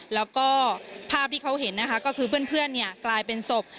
แล้วก็ภาพที่เขาเห็นนะคะก็คือเพื่อนกลายเป็นศพ